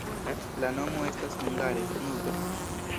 La nomo estas hungare: nutro.